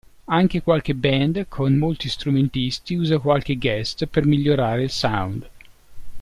Anche qualche band con molti strumentisti usa qualche guest per migliorare il sound.